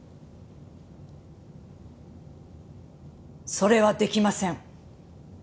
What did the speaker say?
それはできません。